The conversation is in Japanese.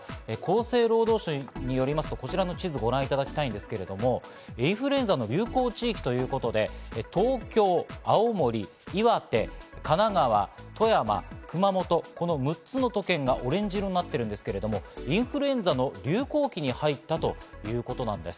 厚生労働省によりますと、こちらの地図、インフルエンザの流行地域ということで、東京、青森、岩手、神奈川、富山、熊本、６つの都県がオレンジ色になっているんですが、インフルエンザの流行期に入ったということなんです。